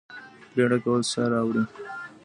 بیړه کول څه راوړي؟